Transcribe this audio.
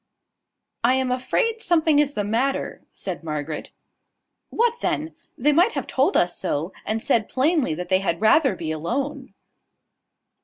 "I am afraid something is the matter," said Margaret. "What then? they might have told us so, and said plainly that they had rather be alone."